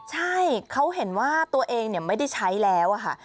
ใช่เขาเห็นว่าตัวเองไม่ได้ใช้แล้วค่ะ